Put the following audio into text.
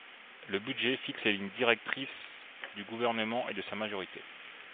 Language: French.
Le budget fixe les lignes directrices du Gouvernement et de sa majorité.